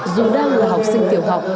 dù đang là học sinh tiểu học